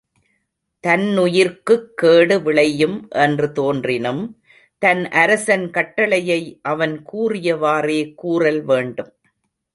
தன்னுயிர்க்குக்கேடு விளையும் என்று தோன்றினும் தன் அரசன் கட்டளையை அவன் கூறியவாறே கூறல் வேண்டும்.